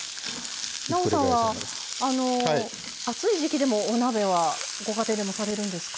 なおさんは、暑い時季でもお鍋はご家庭でもされるんですか。